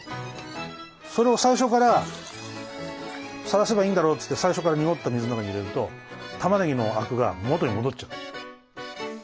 それを最初からさらせばいいんだろっつって最初から濁った水の中に入れるとたまねぎのアクが元に戻っちゃう。